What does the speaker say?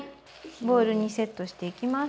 ボウルにセットしていきます。